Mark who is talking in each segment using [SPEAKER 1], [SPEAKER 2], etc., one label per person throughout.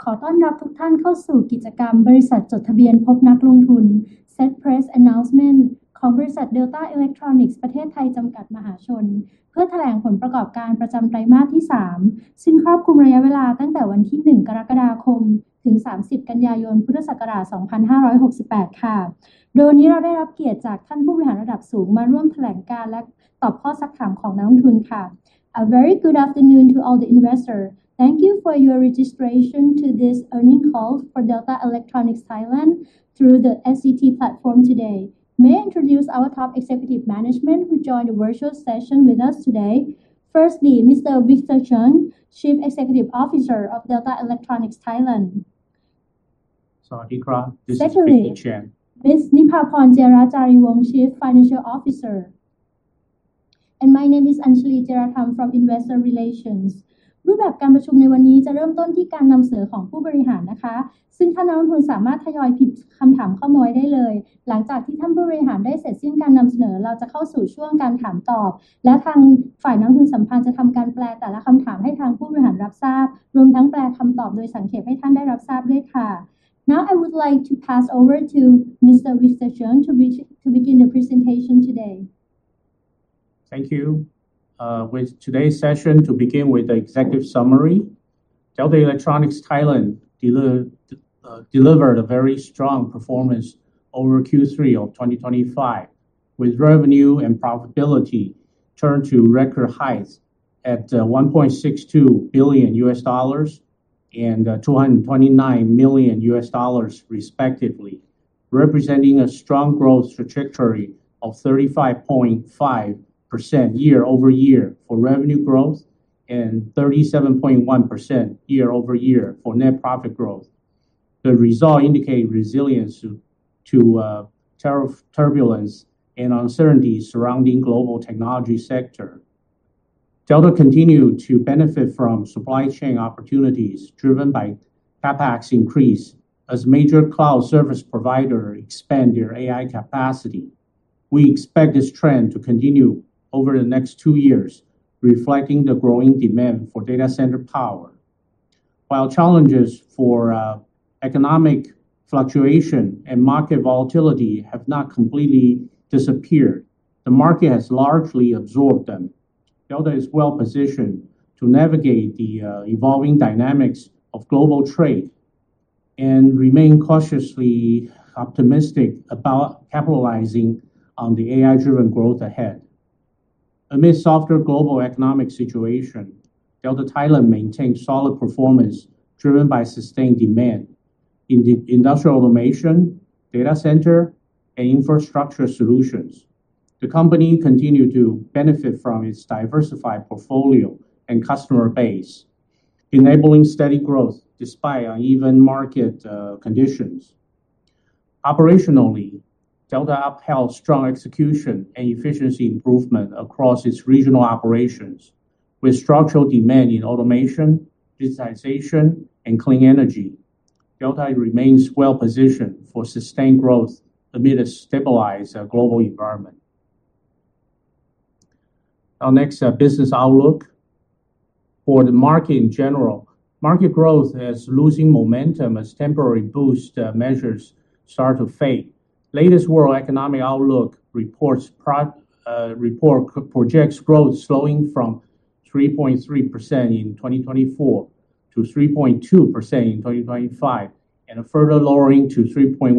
[SPEAKER 1] ค่ะขอต้อนรับทุกท่านเข้าสู่กิจกรรมบริษัทจดทะเบียนพบนักลงทุน Set Press Announcement ของบริษัท Delta Electronics ประเทศไทยจำกัดมหาชนเพื่อแถลงผลประกอบการประจำไตรมาสที่สามซึ่งครอบคลุมระยะเวลาตั้งแต่วันที่ one กรกฎาคมถึง 30 กันยายนพุทธศักราช 2568 ค่ะโดยวันนี้เราได้รับเกียรติจากท่านผู้บริหารระดับสูงมาร่วมแถลงการณ์และตอบข้อซักถามของนักลงทุนค่ะ A very good afternoon to all the investors. Thank you for your registration to this earnings call for Delta Electronics (Thailand) through the SET Platform today. May I introduce our top executive management who join the virtual session with us today. Firstly, Mr. Victor Cheng, Chief Executive Officer of Delta Electronics (Thailand).
[SPEAKER 2] สวัสดีครับ This is Victor Cheng.
[SPEAKER 1] Secondly, Ms. Nipaporn Jiarajareevong, Chief Financial Officer. My name is Anchalee Jieratham from Investor Relations. รูปแบบการประชุมในวันนี้จะเริ่มต้นที่การนำเสนอของผู้บริหารนะคะซึ่งท่านนักลงทุนสามารถทยอยพิมพ์คำถามเข้ามาได้เลยหลังจากที่ท่านผู้บริหารได้เสร็จสิ้นการนำเสนอเราจะเข้าสู่ช่วงการถามตอบและทางฝ่ายนักลงทุนสัมพันธ์จะทำการแปลแต่ละคำถามให้ทางผู้บริหารรับทราบรวมทั้งแปลคำตอบโดยสังเขปให้ท่านได้รับทราบด้วยค่ะ Now I would like to pass over to Mr. Victor Cheng to begin the presentation today.
[SPEAKER 2] Thank you with today's session to begin with the executive summary. Delta Electronics (Thailand) delivered a very strong performance over Q3 of 2025, with revenue and profitability turned to record heights at $1.62 billion and $229 million respectively, representing a strong growth trajectory of 35.5% year-over-year for revenue growth and 37.1% year-over-year for net profit growth. The result indicate resilience to tariff turbulence and uncertainty surrounding global technology sector. Delta continue to benefit from supply chain opportunities driven by CapEx increase as major cloud service provider expand their AI capacity. We expect this trend to continue over the next two years, reflecting the growing demand for Data Center power. While challenges for economic fluctuation and market volatility have not completely disappeared, the market has largely absorbed them. Delta is well positioned to navigate the evolving dynamics of global trade and remain cautiously optimistic about capitalizing on the AI-driven growth ahead. Amid softer global economic situation, Delta Thailand maintains solid performance driven by sustained demand in the industrial automation, Data Center, and infrastructure solutions. The company continue to benefit from its diversified portfolio and customer base, enabling steady growth despite uneven market conditions. Operationally, Delta upheld strong execution and efficiency improvement across its regional operations with structural demand in automation, digitization, and clean energy. Delta remains well positioned for sustained growth amid a stabilized global environment. Our next business outlook. For the market in general, market growth is losing momentum as temporary boost measures start to fade. Latest World Economic Outlook report projects growth slowing from 3.3% in 2024 to 3.2% in 2025, and a further lowering to 3.1%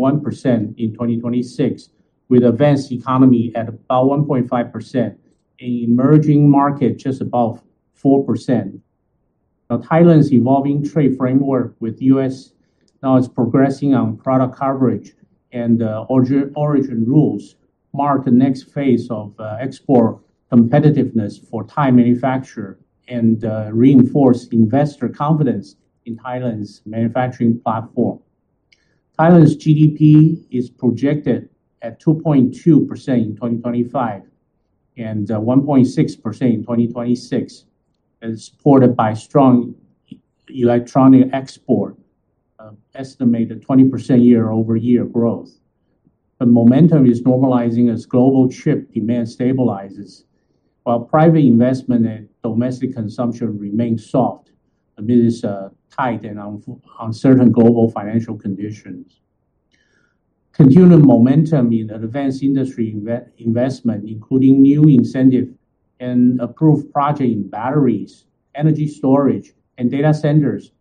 [SPEAKER 2] in 2026, with advanced economy at about 1.5%, and emerging market just above 4%. Thailand's evolving trade framework with U.S. now is progressing on product coverage and origin rules mark the next phase of export competitiveness for Thai manufacturer and reinforce investor confidence in Thailand's manufacturing platform. Thailand's GDP is projected at 2.2% in 2025 and 1.6% in 2026 and supported by strong electronic export estimated 20% year-over-year growth. The momentum is normalizing as global chip demand stabilizes, while private investment and domestic consumption remains soft amidst tight and uncertain global financial conditions. Continuing momentum in advanced industry investment, including new incentive and approved project in batteries, energy storage, and data centers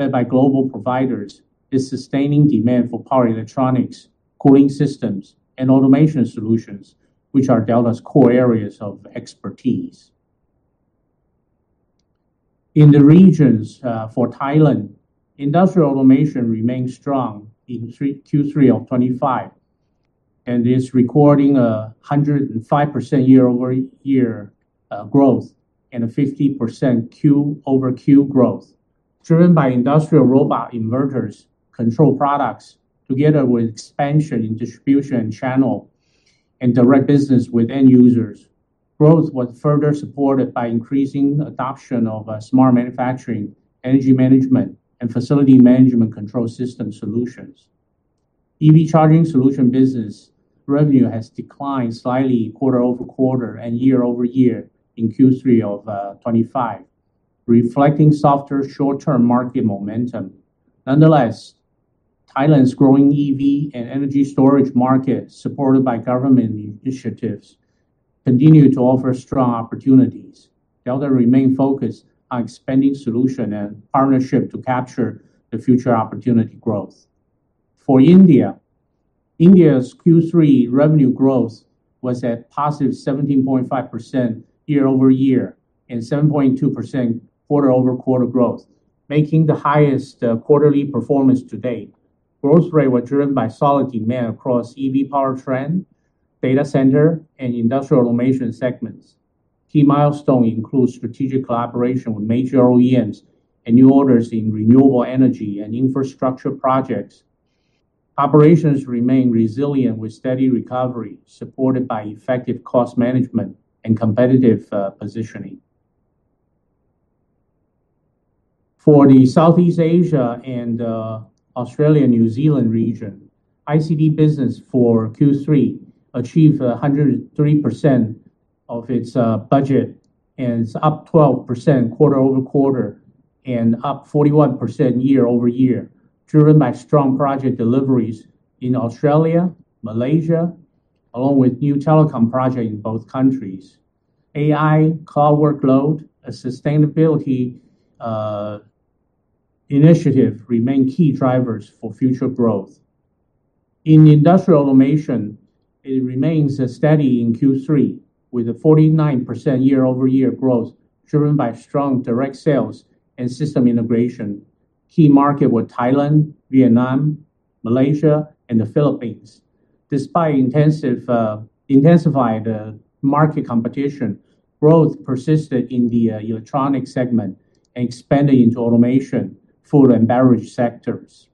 [SPEAKER 2] led by global providers, is sustaining demand for power electronics, cooling systems, and automation solutions, which are Delta's core areas of expertise. In the regions, for Thailand, industrial automation remains strong in Q3 of 2025, and is recording 105% year-over-year growth and a 50% quarter-over-quarter growth. Driven by industrial robot inverters, control products, together with expansion in distribution channel and direct business with end users. Growth was further supported by increasing adoption of smart manufacturing, energy management, and facility management control system solutions. EV charging solution business revenue has declined slightly quarter-over-quarter and year-over-year in Q3 of 2025, reflecting softer short-term market momentum. Nonetheless, Thailand's growing EV and energy storage market, supported by government initiatives, continue to offer strong opportunities. Delta remain focused on expanding solution and partnership to capture the future opportunity growth. For India's Q3 revenue growth was at +17.5% year-over-year and 7.2% quarter-over-quarter growth, making the highest quarterly performance to date. Growth rate was driven by solid demand across EV powertrain, Data Center, and industrial automation segments. Key milestone includes strategic collaboration with major OEMs and new orders in renewable energy and infrastructure projects. Operations remain resilient with steady recovery, supported by effective cost management and competitive positioning. For the Southeast Asia and Australia, New Zealand region, ICT business for Q3 achieved 103% of its budget, and it's up 12% quarter-over-quarter and up 41% year-over-year, driven by strong project deliveries in Australia, Malaysia, along with new telecom project in both countries. AI, cloud workload, and sustainability initiative remain key drivers for future growth. In industrial automation, it remains steady in Q3 with a 49% year-over-year growth driven by strong direct sales and system integration. Key market were Thailand, Vietnam, Malaysia, and the Philippines. Despite intensified market competition, growth persisted in the electronic segment and expanded into automation, food and beverage sectors.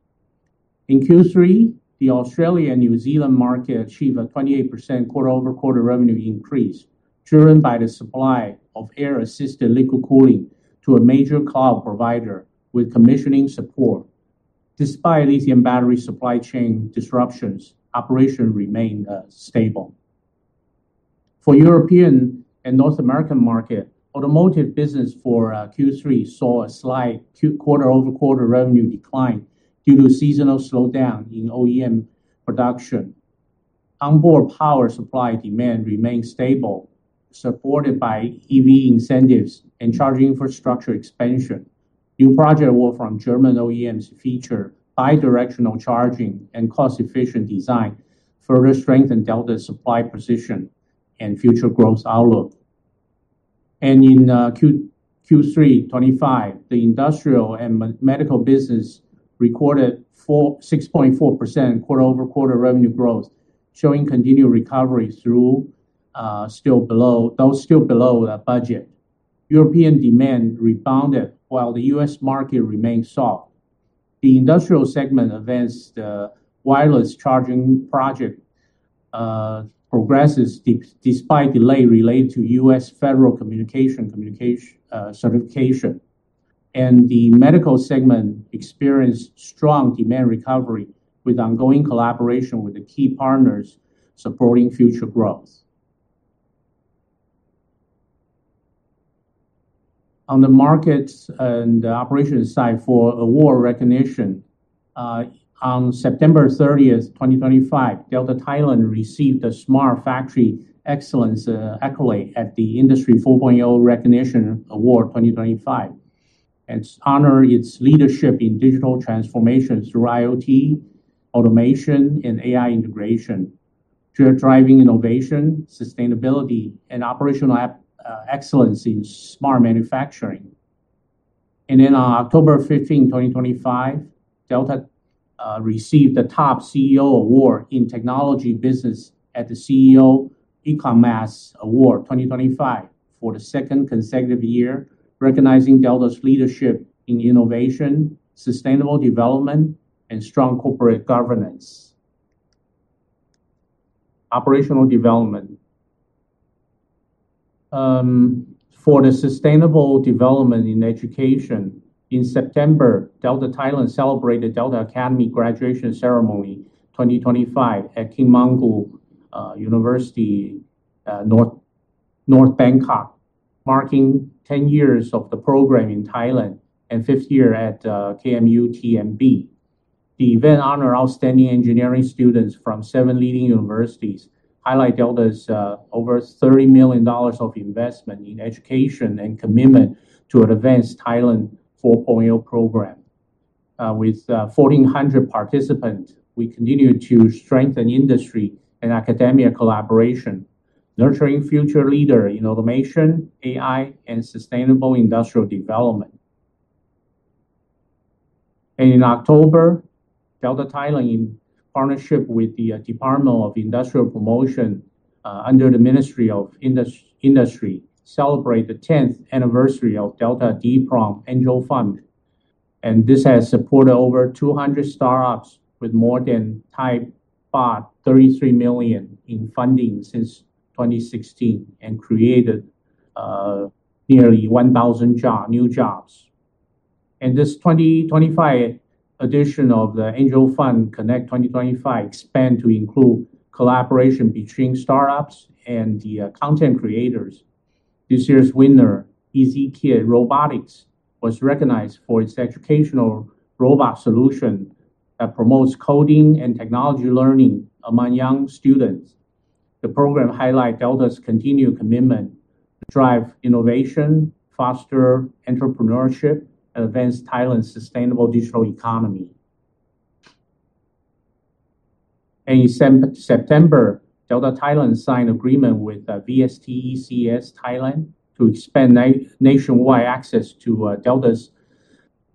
[SPEAKER 2] In Q3, the Australia and New Zealand market achieved a 28% quarter-over-quarter revenue increase driven by the supply of air-assisted liquid cooling to a major cloud provider with commissioning support. Despite lithium battery supply chain disruptions, operation remained stable. For European and North American market, automotive business for Q3 saw a slight quarter-over-quarter revenue decline due to seasonal slowdown in OEM production. On-board power supply demand remains stable, supported by EV incentives and charging infrastructure expansion. New project award from German OEMs feature bidirectional charging and cost-efficient design, further strengthen Delta's supply position and future growth outlook. In Q3 2025, the industrial and medical business recorded 6.4% quarter-over-quarter revenue growth, showing continued recovery though still below the budget. European demand rebounded while the U.S. market remained soft. The industrial segment advanced wireless charging project progresses despite delay related to U.S. Federal Communications Commission certification. The medical segment experienced strong demand recovery with ongoing collaboration with the key partners supporting future growth. On the markets and operations side for award recognition, on September 30th, 2025, Delta Thailand received a Smart Factory Excellence accolade at the Industry 4.0 Recognition Award 2025. It honors its leadership in digital transformation through IoT, automation, and AI integration, driving innovation, sustainability, and operational excellence in smart manufacturing. On October 15th 2025, Delta received the Top CEO Award in Technology Business at the CEO Econmass Award 2025 for the second consecutive year, recognizing Delta's leadership in innovation, sustainable development, and strong corporate governance. Operational development. For the sustainable development in education, in September, Delta Thailand celebrated Delta Academy Graduation Ceremony 2025 at King Mongkut's University of Technology North Bangkok, marking 10 years of the program in Thailand and fifth year at KMUTNB. The event honor outstanding engineering students from seven leading universities, highlight Delta's over $30 million of investment in education and commitment to advance Thailand 4.0 program. With 1400 participants, we continue to strengthen industry and academia collaboration, nurturing future leader in automation, AI, and sustainable industrial development. In October, Delta Thailand, in partnership with the Department of Industrial Promotion under the Ministry of Industry, celebrate the 10th anniversary of Delta DIPROM Angel Fund. This has supported over 200 startups with more than baht 33 million in funding since 2016 and created nearly 1,000 new jobs. This 2025 edition of the Angel Fund Connect 2025 expands to include collaboration between startups and the content creators. This year's winner, EasyKids Robotics, was recognized for its educational robot solution that promotes coding and technology learning among young students. The program highlights Delta's continued commitment to drive innovation, foster entrepreneurship, and advance Thailand's sustainable digital economy. In September, Delta Thailand signed agreement with VST ECS (Thailand) to expand nationwide access to Delta's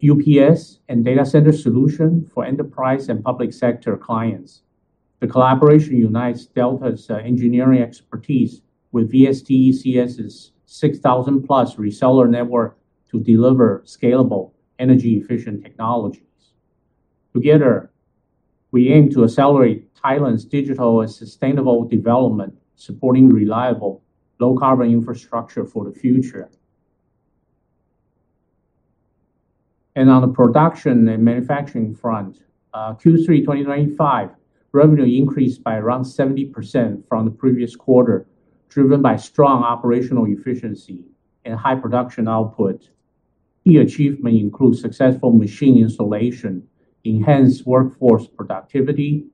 [SPEAKER 2] UPS and Data Center solution for enterprise and public sector clients. The collaboration unites Delta's engineering expertise with VST ECS's 6,000+ reseller network to deliver scalable, energy-efficient technologies. Together, we aim to accelerate Thailand's digital and sustainable development, supporting reliable low carbon infrastructure for the future. On the production and manufacturing front, Q3 2025 revenue increased by around 70% from the previous quarter, driven by strong operational efficiency and high production output. Key achievement includes successful machine installation, enhanced workforce productivity,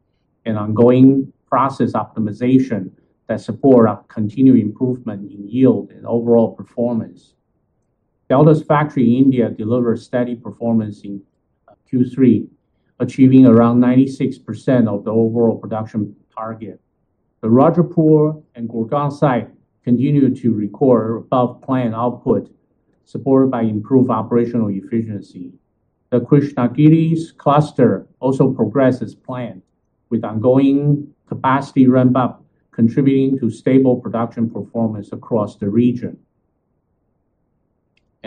[SPEAKER 2] and ongoing process optimization that support our continued improvement in yield and overall performance. Delta's factory in India delivered steady performance in Q3, achieving around 96% of the overall production target. The Rudrapur and Gurgaon site continued to record above plan output, supported by improved operational efficiency. The Krishnagiri cluster also progressed as planned, with ongoing capacity ramp up contributing to stable production performance across the region.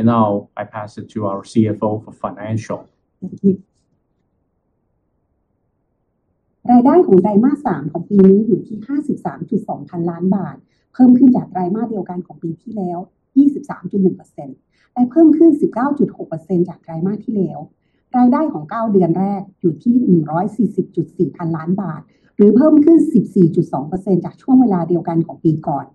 [SPEAKER 2] Now I pass it to our CFO for financial.
[SPEAKER 3] Thank you. รายได้ของไตรมาสสามของปีนี้อยู่ที่ 53.2 พันล้านบาทเพิ่มขึ้นจากไตรมาสเดียวกันของปีที่แล้ว 23.1% และเพิ่มขึ้น 19.6% จากไตรมาสที่แล้วรายได้ของเก้าเดือนแรกอยู่ที่ 140.4 พันล้านบาทหรือเพิ่มขึ้น 14.2% จากช่วงเวลาเดียวกันของปีก่อน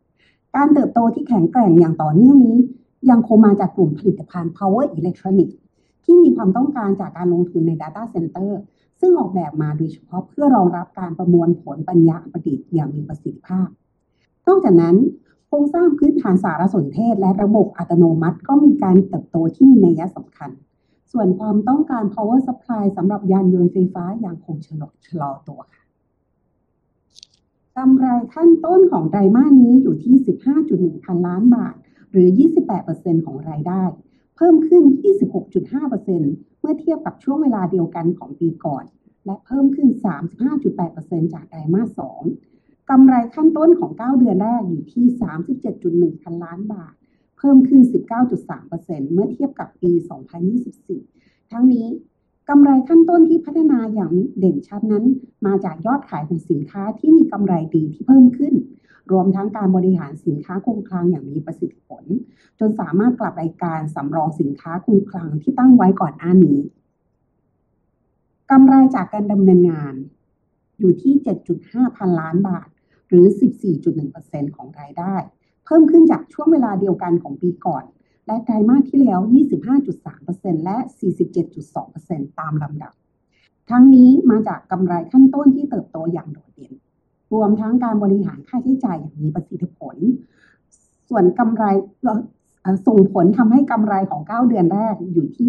[SPEAKER 3] การเติบโตที่แข็งแกร่งอย่างต่อเนื่องนี้ยังคงมาจากกลุ่มผลิตภัณฑ์ Power Electronics ที่มีความต้องการจากการลงทุนใน Data Center ซึ่งออกแบบมาโดยเฉพาะเพื่อรองรับการประมวลผลปัญญาประดิษฐ์อย่างมีประสิทธิภาพนอกจากนั้นโครงสร้างพื้นฐานสารสนเทศและระบบอัตโนมัติก็มีการเติบโตที่มีนัยสำคัญส่วนความต้องการ Power Supply สำหรับยานยนต์ไฟฟ้ายังคงชะลอตัวค่ะกำไรขั้นต้นของไตรมาสนี้อยู่ที่ 15.1 พันล้านบาทหรือ 28% ของรายได้เพิ่มขึ้น 26.5% เมื่อเทียบกับช่วงเวลาเดียวกันของปีก่อนและเพิ่มขึ้น 35.8% จากไตรมาสสองกำไรขั้นต้นของเก้าเดือนแรกอยู่ที่ 37.1 พันล้านบาทเพิ่มขึ้น 19.3% เมื่อเทียบกับปี 2024 ทั้งนี้กำไรขั้นต้นที่พัฒนาอย่างเด่นชัดนั้นมาจากยอดขายของสินค้าที่มีกำไรดีที่เพิ่มขึ้นรวมทั้งการบริหารสินค้าคงคลังอย่างมีประสิทธิผลจนสามารถกลับไปการสำรองสินค้าคงคลังที่ตั้งไว้ก่อนหน้านี้กำไรจากการดำเนินงานอยู่ที่ 7.5 พันล้านบาทหรือ 14.1% ของรายได้เพิ่มขึ้นจากช่วงเวลาเดียวกันของปีก่อนและไตรมาสที่แล้ว 25.3% และ 47.2% ตามลำดับทั้งนี้มาจากกำไรขั้นต้นที่เติบโตอย่างโดดเด่นรวมทั้งการบริหารค่าใช้จ่ายอย่างมีประสิทธิผลส่วนกำไรเรื่อยๆส่งผลทำให้กำไรของเก้าเดือนแรกอยู่ที่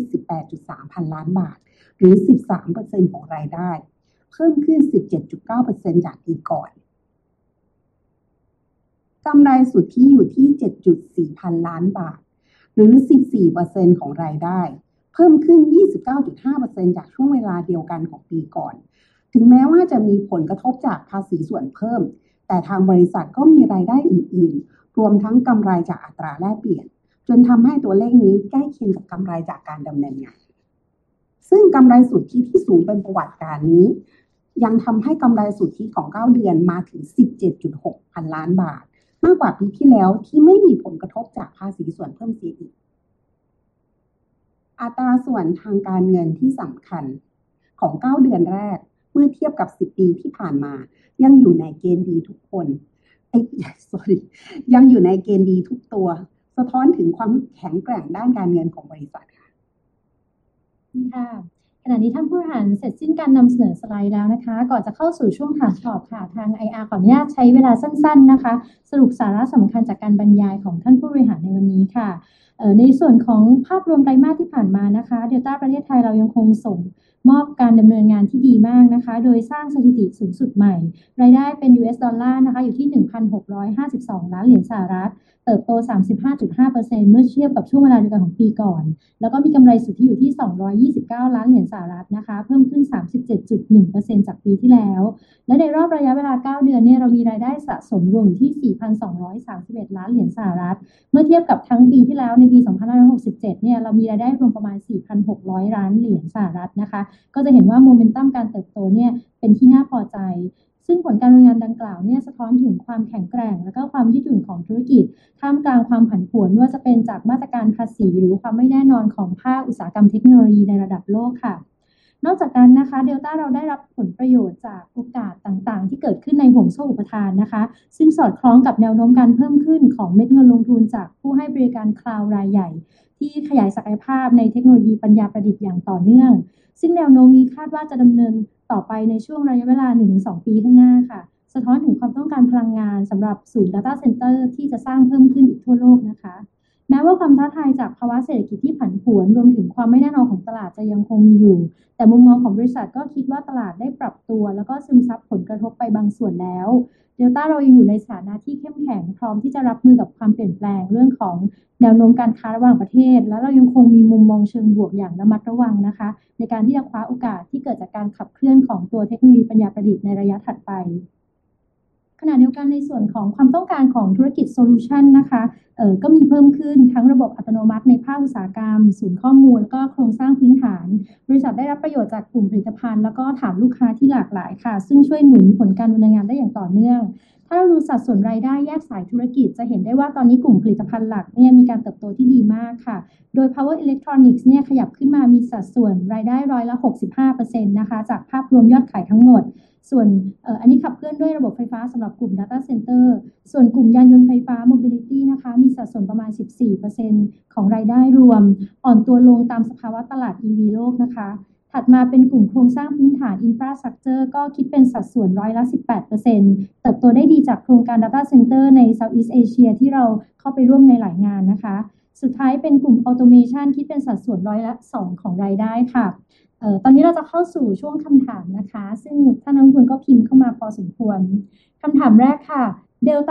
[SPEAKER 3] 18.3 พันล้านบาทหรือ 13% ของรายได้เพิ่มขึ้น 17.9% จากปีก่อนกำไรสุทธิอยู่ที่ 7.4 พันล้านบาทหรือ 14% ของรายได้เพิ่มขึ้น 29.5% จากช่วงเวลาเดียวกันของปีก่อนถึงแม้ว่าจะมีผลกระทบจากภาษีส่วนเพิ่มแต่ทางบริษัทก็มีรายได้อื่นๆรวมทั้งกำไรจากอัตราแลกเปลี่ยนจนทำให้ตัวเลขนี้ใกล้เคียงกับกำไรจากการดำเนินงานซึ่งกำไรสุทธิที่สูงเป็นประวัติการณ์นี้ยังทำให้กำไรสุทธิของเก้าเดือนมาถึง
[SPEAKER 1] ก่อนจะเข้าสู่ช่วงถามตอบค่ะทาง IR ขออนุญาตใช้เวลาสั้นๆนะคะสรุปสาระสำคัญจากการบรรยายของท่านผู้บริหารในวันนี้ค่ะในส่วนของภาพรวมไตรมาสที่ผ่านมานะคะเดลต้าประเทศไทยเรายังคงส่งมอบการดำเนินงานที่ดีมากนะคะโดยสร้างสถิติสูงสุดใหม่รายได้เป็น U.S. dollar นะคะอยู่ที่ USD 1,652 ล้านเติบโต 35.5% เมื่อเทียบกับช่วงเวลาเดียวกันของปีก่อนแล้วก็มีกำไรสุทธิอยู่ที่ USD 229 ล้านเพิ่มขึ้น 37.1% จากปีที่แล้วและในรอบระยะเวลาเก้าเดือนเนี่ยเรามีรายได้สะสมรวมอยู่ที่ USD 4,231 ล้านเมื่อเทียบกับทั้งปีที่แล้วในปี 2567 เนี่ยเรามีรายได้รวมประมาณ USD 4,600 ล้านนะคะก็จะเห็นว่าโมเมนตัมการเติบโตเนี่ยเป็นที่น่าพอใจซึ่งผลการดำเนินงานดังกล่าวเนี่ยสะท้อนถึงความแข็งแกร่งแล้วก็ความยืดหยุ่นของธุรกิจท่ามกลางความผันผวนไม่ว่าจะเป็นจากมาตรการภาษีหรือความไม่แน่นอนของภาคอุตสาหกรรมเทคโนโลยีในระดับโลกค่ะนอกจากนั้นนะคะ Delta เราได้รับผลประโยชน์จากโอกาสต่างๆที่เกิดขึ้นในห่วงโซ่อุปทานนะคะซึ่งสอดคล้องกับแนวโน้มการเพิ่มขึ้นของเม็ดเงินลงทุนจากผู้ให้บริการ Cloud รายใหญ่ที่ขยายศักยภาพในเทคโนโลยีปัญญาประดิษฐ์อย่างต่อเนื่องซึ่งแนวโน้มนี้คาดว่าจะดำเนินต่อไปในช่วงระยะเวลาหนึ่งถึงสองปีข้างหน้าค่ะสะท้อนถึงความต้องการพลังงานสำหรับศูนย์ Data Center ที่จะสร้างเพิ่มขึ้นอีกทั่วโลกนะคะแม้ว่าความท้าทายจากภาวะเศรษฐกิจที่ผันผวนรวมถึงความไม่แน่นอนของตลาดจะยังคงมีอยู่แต่มุมมองของบริษัทก็คิดว่าตลาดได้ปรับตัวแล้วก็ซึมซับผลกระทบไปบางส่วนแล้ว Delta เรายังอยู่ในสถานะที่เข้มแข็งพร้อมที่จะรับมือกับความเปลี่ยนแปลงเรื่องของแนวโน้มการค้าระหว่างประเทศและเรายังคงมีมุมมองเชิงบวกอย่างระมัดระวังนะคะในการที่จะคว้าโอกาสที่เกิดจากการขับเคลื่อนของตัวเทคโนโลยีปัญญาประดิษฐ์ในระยะถัดไปขณะเดียวกันในส่วนของความต้องการของธุรกิจ Solution นะคะก็มีเพิ่มขึ้นทั้งระบบอัตโนมัติในภาคอุตสาหกรรมศูนย์ข้อมูลแล้วก็โครงสร้างพื้นฐานบริษัทได้รับประโยชน์จากกลุ่มผลิตภัณฑ์แล้วก็ฐานลูกค้าที่หลากหลายค่ะซึ่งช่วยหนุนผลการดำเนินงานได้อย่างต่อเนื่องถ้าเราดูสัดส่วนรายได้แยกสายธุรกิจจะเห็นได้ว่าตอนนี้กลุ่มผลิตภัณฑ์หลักเนี่ยมีการเติบโตที่ดีมากค่ะโดย Power Electronics เนี่ยขยับขึ้นมามีสัดส่วนรายได้ 65% นะคะจากภาพรวมยอดขายทั้งหมดส่วนอันนี้ขับเคลื่อนด้วยระบบไฟฟ้าสำหรับกลุ่ม Data Center ส่วนกลุ่มยานยนต์ไฟฟ้า Mobility นะคะมีสัดส่วนประมาณ 14% ของรายได้รวมอ่อนตัวลงตามสภาวะตลาด EV โลกนะคะถัดมาเป็นกลุ่มโครงสร้างพื้นฐาน Infrastructure ก็คิดเป็นสัดส่วน 18% เติบโตได้ดีจากโครงการ Data Center ใน Southeast Asia ที่เราเข้าไปร่วมในหลายงานนะคะสุดท้ายเป็นกลุ่ม Automation คิดเป็นสัดส่วน 2% ของรายได้ค่ะตอนนี้เราจะเข้าสู่ช่วงคำถามนะคะซึ่งท่านนักลงทุนก็พิมพ์เข้ามาพอสมควรคำถามแรกค่ะ Delta Thailand ได้เริ่มผลิตสินค้า Liquid Cooling หรือยังนะคะแล้วก็ปริมาณคำสั่งซื้อเป็นอย่างไรบ้าง The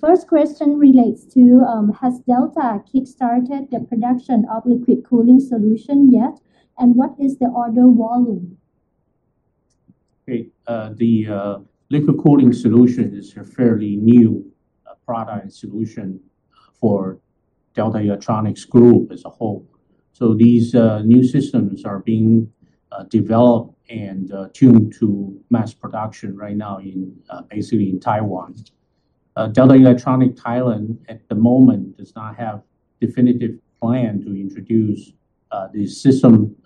[SPEAKER 1] first question relates to has Delta kickstarted the production of Liquid Cooling solution yet and what is the order volume.
[SPEAKER 2] The liquid cooling solution is a fairly new product solution for Delta Electronics Group as a whole. These new systems are being developed and tuned to mass production right now in basically in Taiwan. Delta Electronics Thailand at the moment does not have definitive plan to introduce the system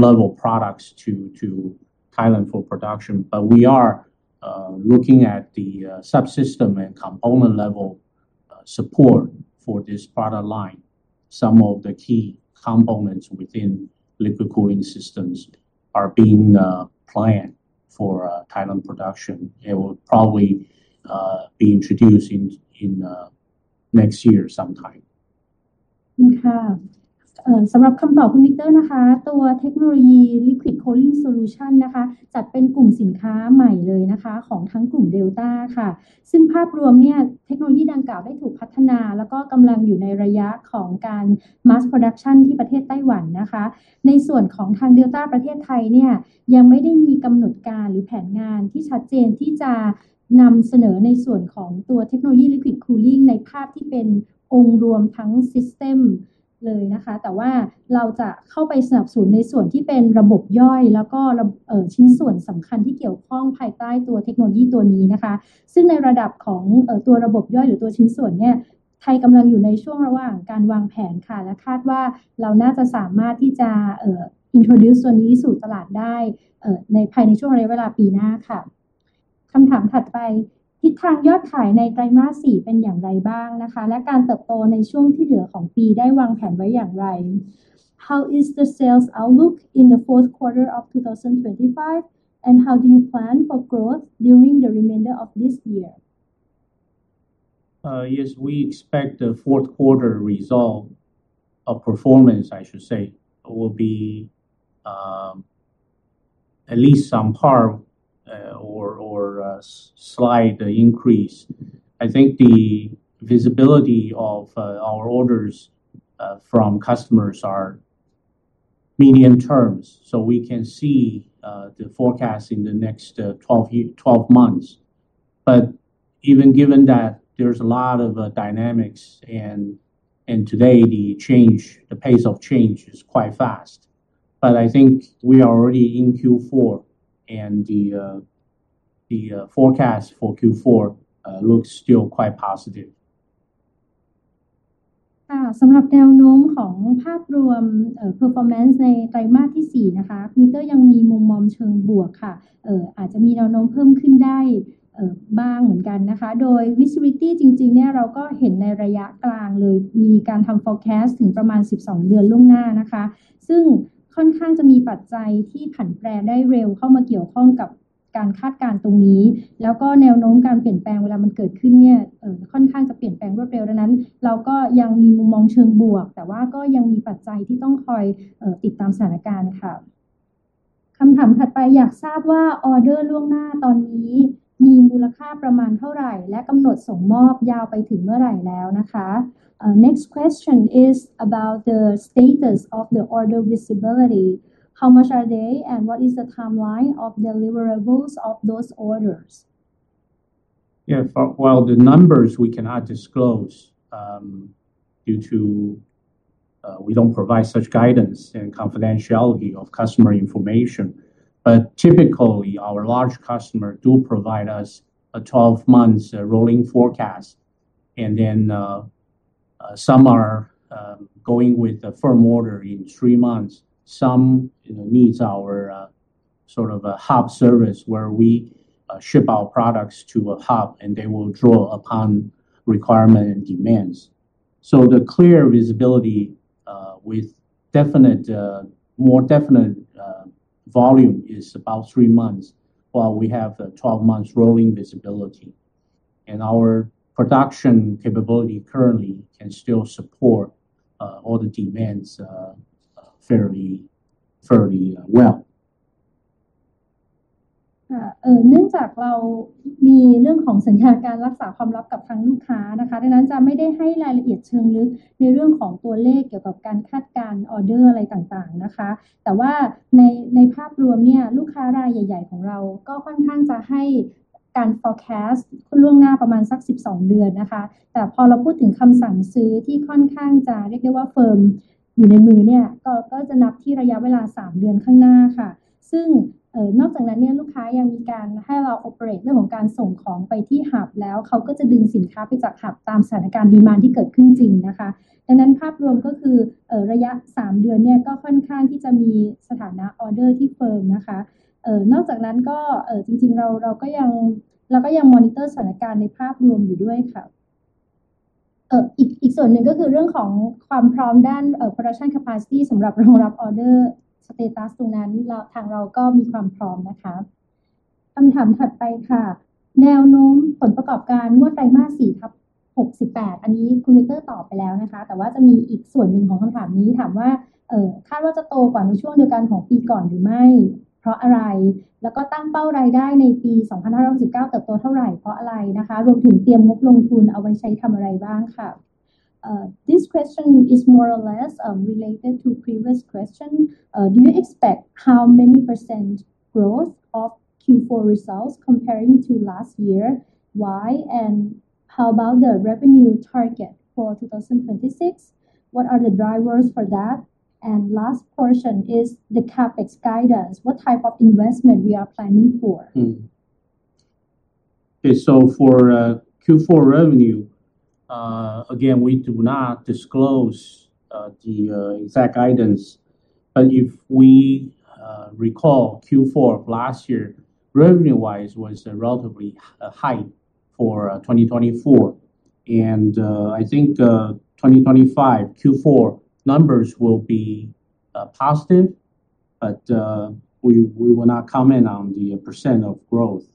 [SPEAKER 2] level products to Thailand for production. We are looking at the subsystem and component level support for this product line. Some of the key components within liquid cooling systems are being planned for Thailand production. It will probably be introduced in next year sometime.
[SPEAKER 1] ขอบคุณค่ะสำหรับคำตอบคุณ Victor นะคะตัวเทคโนโลยี Liquid Cooling Solution นะคะจัดเป็นกลุ่มสินค้าใหม่เลยนะคะของทั้งกลุ่ม Delta ค่ะซึ่งภาพรวมเนี่ยเทคโนโลยีดังกล่าวได้ถูกพัฒนาแล้วก็กำลังอยู่ในระยะของการ Mass Production ที่ประเทศไต้หวันนะคะในส่วนของทาง Delta ประเทศไทยเนี่ยยังไม่ได้มีกำหนดการหรือแผนงานที่ชัดเจนที่จะนำเสนอในส่วนของตัวเทคโนโลยี Liquid Cooling ในภาพที่เป็นองค์รวมทั้ง System เลยนะคะแต่ว่าเราจะเข้าไปสนับสนุนในส่วนที่เป็นระบบย่อยแล้วก็ชิ้นส่วนสำคัญที่เกี่ยวข้องภายใต้ตัวเทคโนโลยีตัวนี้นะคะซึ่งในระดับของตัวระบบย่อยหรือตัวชิ้นส่วนเนี่ยไทยกำลังอยู่ในช่วงระหว่างการวางแผนค่ะและคาดว่าเราน่าจะสามารถที่จะ Introduce ตัวนี้สู่ตลาดได้ในภายในช่วงระยะเวลาปีหน้าค่ะคำถามถัดไปทิศทางยอดขายในไตรมาสสี่เป็นอย่างไรบ้างนะคะและการเติบโตในช่วงที่เหลือของปีได้วางแผนไว้อย่างไร How is the sales outlook in the fourth quarter of 2025 and how do you plan for growth during the remainder of this year?
[SPEAKER 2] Yes, we expect the fourth quarter result of performance, I should say, will be at least on par or slight increase. I think the visibility of our orders from customers are medium-term, so we can see the forecast in the next 12 months. Even given that there's a lot of dynamics and today the change, the pace of change is quite fast. I think we are already in Q4 and the forecast for Q4 looks still quite positive.
[SPEAKER 1] สำหรับแนวโน้มของภาพรวม Performance ในไตรมาสที่สี่นะคะคุณ Victor ยังมีมุมมองเชิงบวกค่ะอาจจะมีแนวโน้มเพิ่มขึ้นได้บ้างเหมือนกันนะคะโดย Visibility จริงๆเนี่ยเราก็เห็นในระยะกลางเลยมีการทำ Forecast ถึงประมาณสิบสองเดือนล่วงหน้านะคะซึ่งค่อนข้างจะมีปัจจัยที่ผันแปรได้เร็วเข้ามาเกี่ยวข้องกับการคาดการณ์ตรงนี้แล้วก็แนวโน้มการเปลี่ยนแปลงเวลามันเกิดขึ้นเนี่ยค่อนข้างจะเปลี่ยนแปลงรวดเร็วดังนั้นเราก็ยังมีมุมมองเชิงบวกแต่ว่าก็ยังมีปัจจัยที่ต้องคอยติดตามสถานการณ์ค่ะคำถามถัดไปอยากทราบว่า Order ล่วงหน้าตอนนี้มีมูลค่าประมาณเท่าไหร่และกำหนดส่งมอบยาวไปถึงเมื่อไหร่แล้วนะคะ Next question is about the status of the order visibility. How much are they and what is the timeline of deliverables of those orders?
[SPEAKER 2] While the numbers we cannot disclose, due to, we don't provide such guidance and confidentiality of customer information. Typically, our large customer do provide us a 12 months rolling forecast. Some are going with a firm order in three months. Some, you know, needs our sort of a hub service where we ship our products to a hub and they will draw upon requirement and demands. The clear visibility with definite, more definite volume is about three months, while we have 12 months rolling visibility. Our production capability currently can still support all the demands fairly well.
[SPEAKER 1] This question is more or less related to previous question. Do you expect how many percent growth of Q4 results comparing to last year? Why? And how about the revenue target for 2026? What are the drivers for that? And last portion is the CapEx guidance. What type of investment we are planning for?
[SPEAKER 2] For Q4 revenue, again, we do not disclose the exact guidance. If we recall Q4 of last year, revenue-wise was relatively high for 2024. I think 2025 Q4 numbers will be positive, but we will not comment on the percent of growth.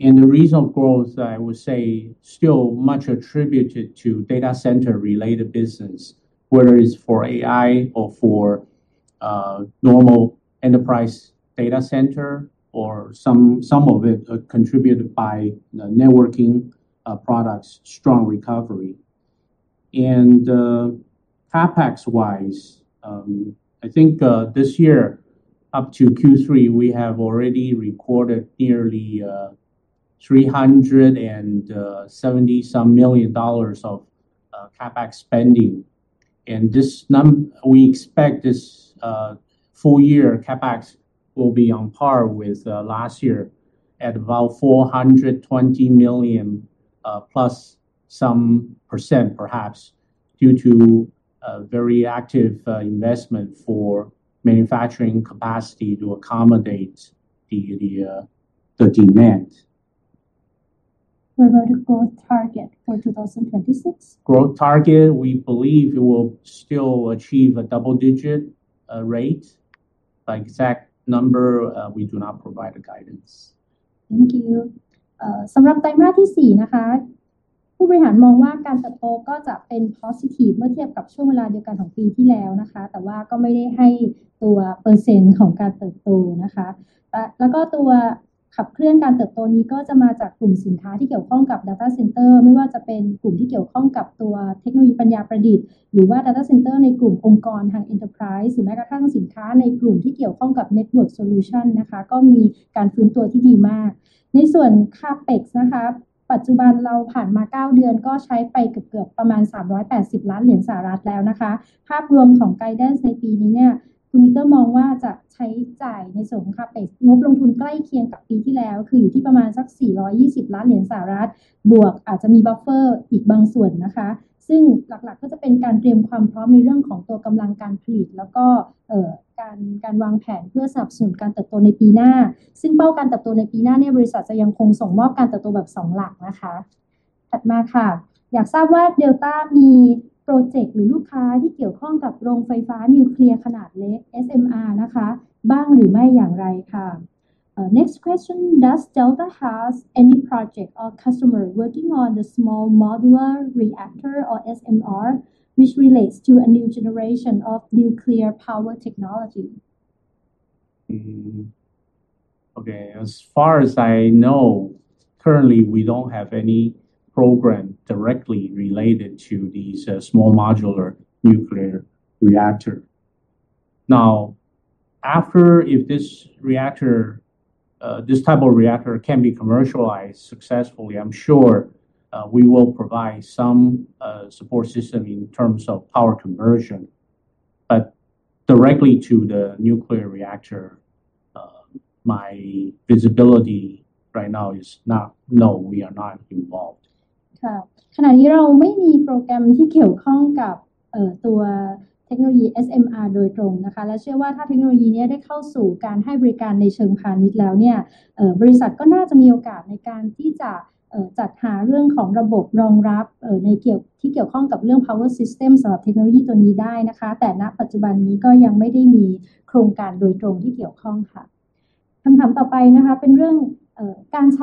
[SPEAKER 2] The reason of growth, I would say still much attributed to Data Center related business, whether it's for AI or for normal enterprise Data Center or some of it contributed by the networking products' strong recovery. CapEx wise, I think this year up to Q3, we have already recorded nearly $370 million of CapEx spending. We expect this full-year CapEx will be on par with last year at about 420 million plus some percent, perhaps due to a very active investment for manufacturing capacity to accommodate the demand.
[SPEAKER 1] What about the growth target for 2026?
[SPEAKER 2] Growth target, we believe it will still achieve a double digit rate. Exact number, we do not provide a guidance.
[SPEAKER 1] Thank you. Next question. Does Delta has any project or customer working on the Small Modular Reactor, or SMR, which relates to a new generation of nuclear power technology?
[SPEAKER 2] As far as I know, currently we don't have any program directly related to these Small Modular Reactor. Now after if this reactor, this type of reactor can be commercialized successfully, I'm sure we will provide some support system in terms of power conversion. But directly to the nuclear reactor, my visibility right now is not. No, we are not involved.
[SPEAKER 1] ขณะนี้เราไม่มีโปรแกรมที่เกี่ยวข้องกับตัวเทคโนโลยี SMR โดยตรงนะคะและเชื่อว่าถ้าเทคโนโลยีนี้ได้เข้าสู่การให้บริการในเชิงพาณิชย์แล้วเนี่ยบริษัทก็น่าจะมีโอกาสในการที่จะจัดหาเรื่องของระบบรองรับที่เกี่ยวข้องกับเรื่อง Power System สำหรับเทคโนโลยีตัวนี้ได้นะคะแต่ณปัจจุบันนี้ก็ยังไม่ได้มีโครงการโดยตรงที่เกี่ยวข้องค่ะคำถามต่อไปนะคะเป็นเรื่องการใช้ Local Content ในการผลิตสินค้าของเดลต้าไทย ปัจจุบันอยู่ที่ประมาณกี่% นะคะ This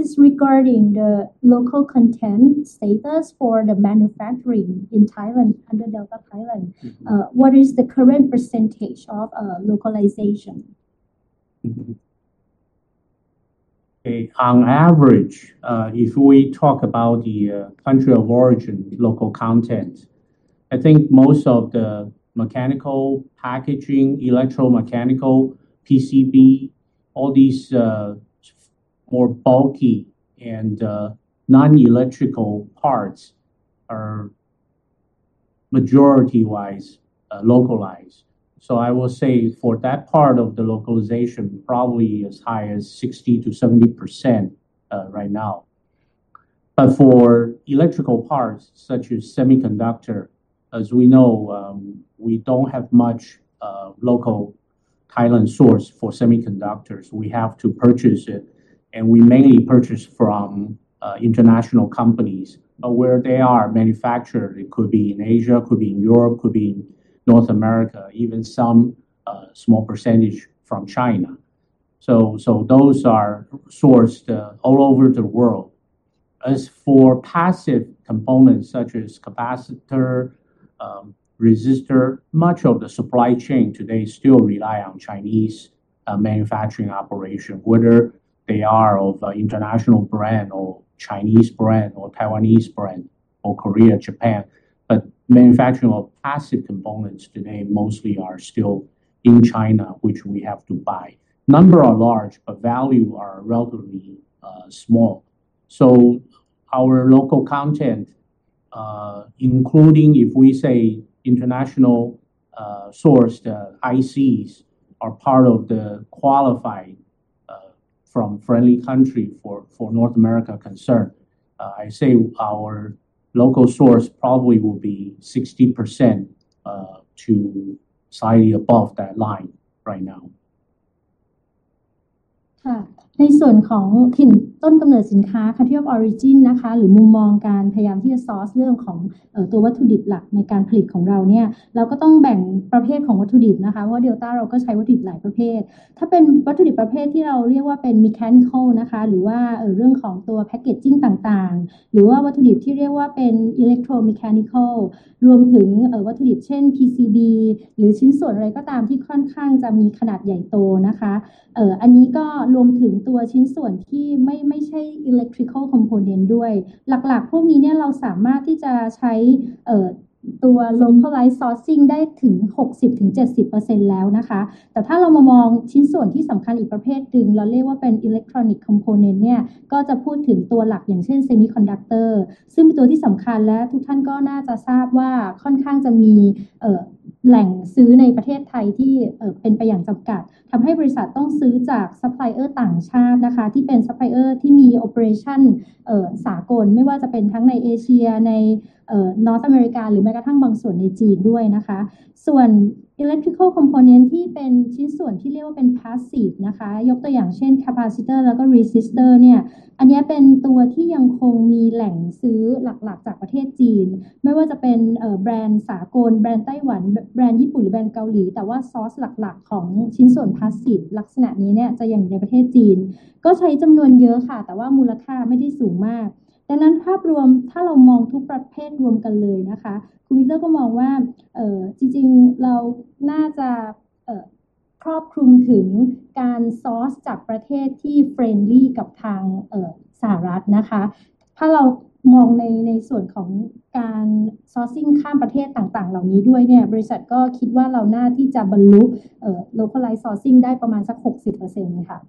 [SPEAKER 1] is regarding the local content status for the manufacturing in Thailand under Delta Thailand. What is the current percentage of localization?
[SPEAKER 2] Okay. On average, if we talk about the country of origin local content, I think most of the mechanical packaging, electromechanical, PCB, all these, more bulky and non-electrical parts are majority-wise localized. I will say for that part of the localization, probably as high as 60%-70% right now. But for electrical parts such as semiconductor, as we know, we don't have much local Thailand source for semiconductors. We have to purchase it, and we mainly purchase from international companies where they are manufactured. It could be in Asia, it could be in Europe, could be North America, even some small percentage from China. So those are sourced all over the world. As for passive components such as capacitor, resistor, much of the supply chain today still rely on Chinese manufacturing operation, whether they are of international brand or Chinese brand, or Taiwanese brand or Korea, Japan. Manufacturing of passive components today mostly are still in China, which we have to buy. Number are large, but value are relatively small. Our local content, including if we say international sourced ICs are part of the qualified from friendly country for North America concern, I say our local source probably will be 60% to slightly above that line right now.
[SPEAKER 1] ในส่วนของถิ่นต้นกำเนิดสินค้า Country of Origin นะคะหรือมุมมองการพยายามที่จะ source เรื่องของตัววัตถุดิบหลักในการผลิตของเรานี่เราก็ต้องแบ่งประเภทของวัตถุดิบนะคะเพราะว่าเดลต้าเราก็ใช้วัตถุดิบหลายประเภทถ้าเป็นวัตถุดิบประเภทที่เราเรียกว่าเป็น mechanical นะคะหรือว่าเรื่องของตัว packaging ต่างๆหรือว่าวัตถุดิบที่เรียกว่าเป็น electromechanical รวมถึงวัตถุดิบเช่น PCB หรือชิ้นส่วนอะไรก็ตามที่ค่อนข้างจะมีขนาดใหญ่โตนะคะอันนี้ก็รวมถึงตัวชิ้นส่วนที่ไม่ใช่ electrical component ด้วยหลักๆพวกนี้นี่เราสามารถที่จะใช้ตัว localized sourcing ได้ถึง 60 ถึง 70% แล้วนะคะแต่ถ้าเรามามองชิ้นส่วนที่สำคัญอีกประเภทหนึ่งเราเรียกว่าเป็น electronic component นี่ก็จะพูดถึงตัวหลักอย่างเช่น semiconductor ซึ่งเป็นตัวที่สำคัญและทุกท่านก็น่าจะทราบว่าค่อนข้างจะมีแหล่งซื้อในประเทศไทยที่เป็นไปอย่างจำกัดทำให้บริษัทต้องซื้อจาก supplier ต่างชาตินะคะที่เป็น supplier ที่มี operation สากลไม่ว่าจะเป็นทั้งในเอเชียใน North America หรือแม้กระทั่งบางส่วนในจีนด้วยนะคะส่วน electrical component ที่เป็นชิ้นส่วนที่เรียกว่าเป็น passive นะคะ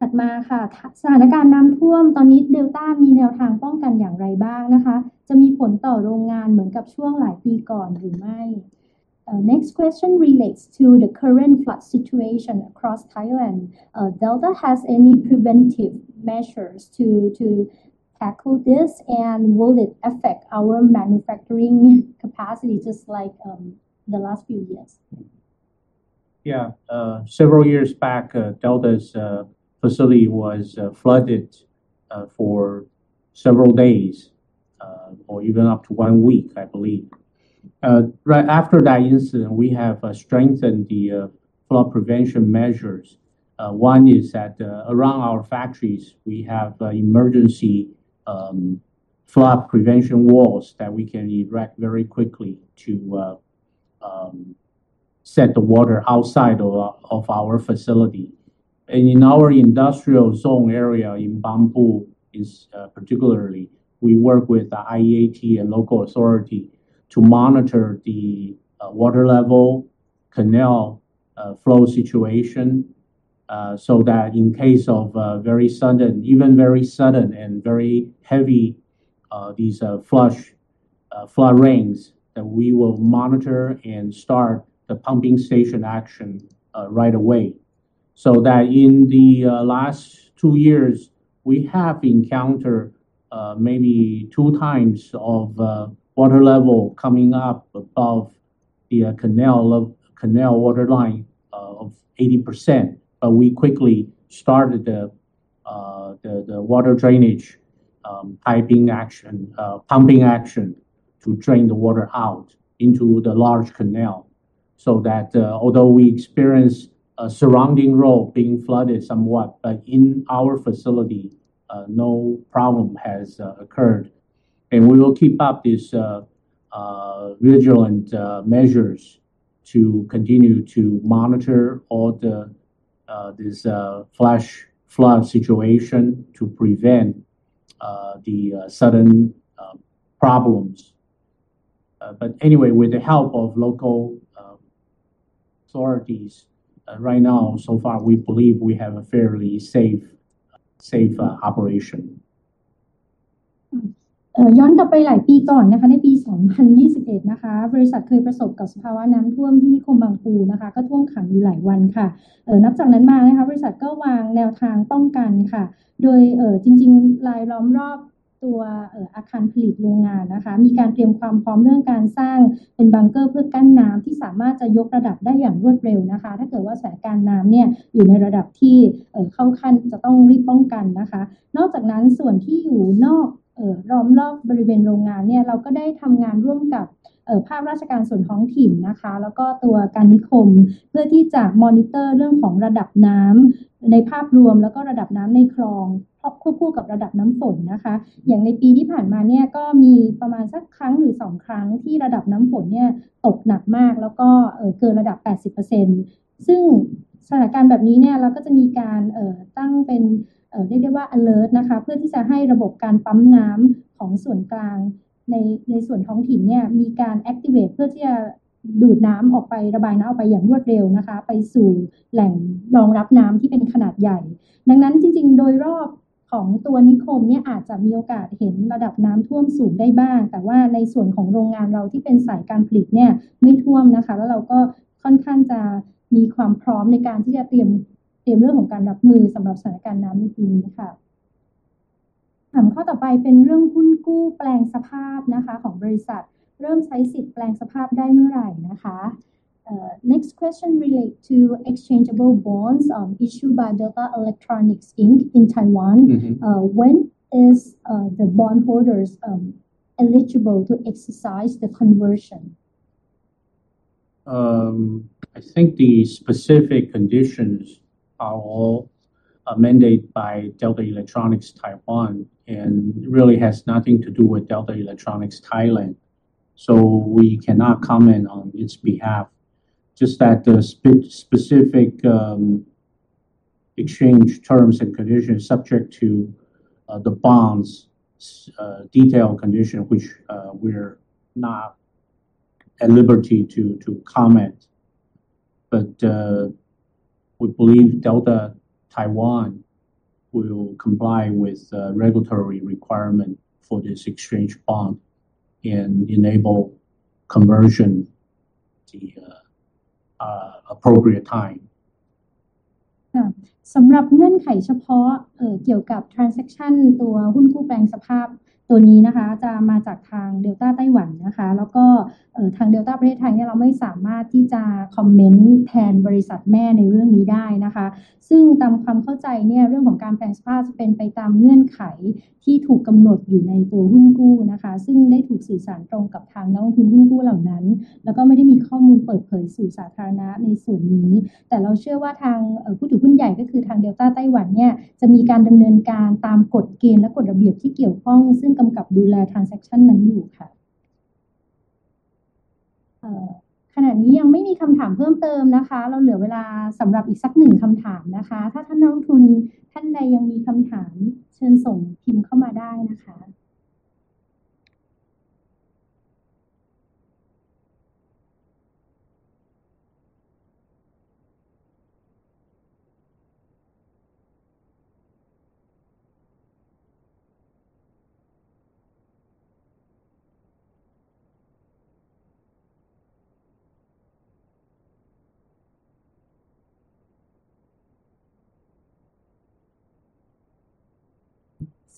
[SPEAKER 1] ยกตัวอย่างเช่น capacitor แล้วก็ resistor นี่อันนี้เป็นตัวที่ยังคงมีแหล่งซื้อหลักๆจากประเทศจีนไม่ว่าจะเป็นแบรนด์สากลแบรนด์ไต้หวันแบรนด์ญี่ปุ่นหรือแบรนด์เกาหลีแต่ว่า source หลักๆของชิ้นส่วน passive ลักษณะนี้นี่จะยังอยู่ในประเทศจีนก็ใช้จำนวนเยอะค่ะแต่ว่ามูลค่าไม่ได้สูงมากดังนั้นภาพรวมถ้าเรามองทุกประเภทรวมกันเลยนะคะคุณ Victor ก็มองว่าจริงๆเราน่าจะครอบคลุมถึงการ source จากประเทศที่ friendly กับทางสหรัฐนะคะถ้าเรามองในส่วนของการ sourcing ข้ามประเทศต่างๆเหล่านี้ด้วยนี่บริษัทก็คิดว่าเราน่าที่จะบรรลุ localized sourcing ได้ประมาณสัก 60% ค่ะถัดมาค่ะสถานการณ์น้ำท่วมตอนนี้เดลต้ามีแนวทางป้องกันอย่างไรบ้างนะคะจะมีผลต่อโรงงานเหมือนกับช่วงหลายปีก่อนหรือไม่ Delta has any preventive measures to tackle this, and will it affect our manufacturing capacity just like the last few years?
[SPEAKER 2] Yeah. Several years back, Delta's facility was flooded for several days or even up to one week, I believe. Right after that incident, we have strengthened the flood prevention measures. One is that around our factories, we have emergency flood prevention walls that we can erect very quickly to send the water outside of our facility. In our industrial zone area in Bangpoo, particularly we work with the IEAT and local authority to monitor the water level canal flow situation so that in case of very sudden and very heavy flash flood rains, that we will monitor and start the pumping station action right away. That in the last two years, we have encountered maybe 2x of water level coming up above the canal water line of 80%. We quickly started the water drainage piping action, pumping action to drain the water out into the large canal, so that although we experience a surrounding road being flooded somewhat, but in our facility, no problem has occurred. We will keep up these vigilant measures to continue to monitor all the this flash flood situation to prevent the sudden problems. Anyway, with the help of local authorities, right now, so far, we believe we have a fairly safe operation.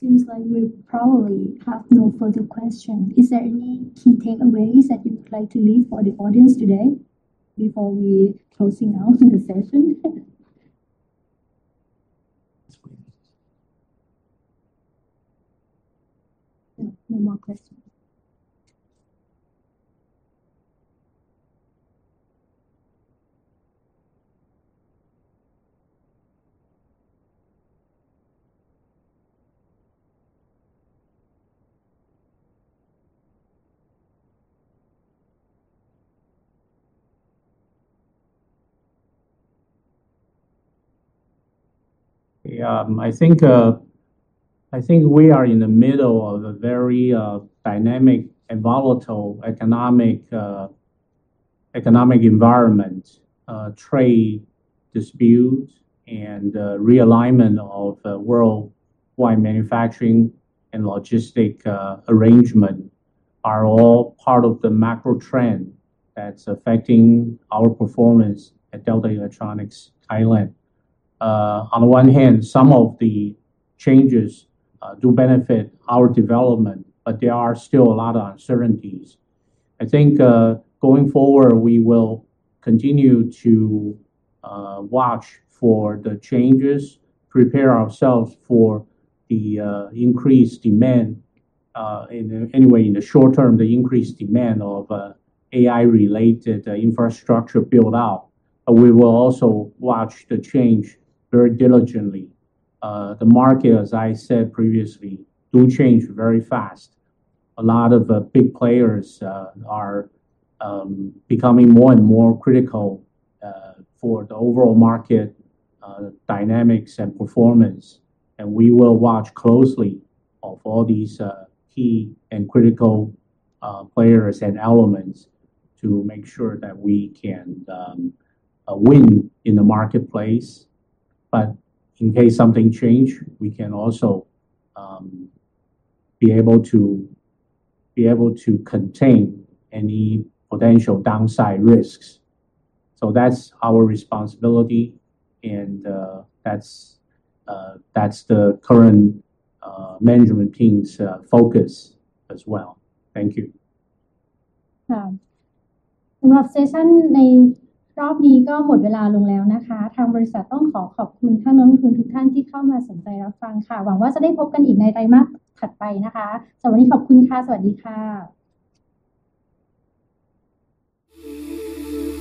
[SPEAKER 1] Seems like we probably have no further question. Is there any key takeaways that you would like to leave for the audience today before we closing out the session?
[SPEAKER 2] That's great.
[SPEAKER 1] Yeah. No more questions.
[SPEAKER 2] Yeah, I think we are in the middle of a very dynamic and volatile economic environment. Trade disputes and realignment of worldwide manufacturing and logistics arrangements are all part of the macro trend that's affecting our performance at Delta Electronics Thailand. On the one hand, some of the changes do benefit our development, but there are still a lot of uncertainties. I think going forward, we will continue to watch for the changes, prepare ourselves for the increased demand in the short term of AI-related infrastructure build-out. We will also watch the change very diligently. The market, as I said previously, does change very fast. A lot of big players are becoming more and more critical for the overall market dynamics and performance. We will watch closely of all these key and critical players and elements to make sure that we can win in the marketplace. In case something change, we can also be able to contain any potential downside risks. That's our responsibility and that's the current management team's focus as well. Thank you.